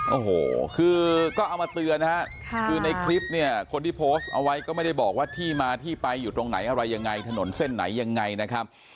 โอ้โหคือก็เอามาเตือนนะฮะคือในคลิปเนี่ยคนที่โพสต์เอาไว้ก็ไม่ได้บอกว่าที่มาที่ไปอยู่ตรงไหนอะไรยังไงถนนเส้นไหนยังไงนะครับ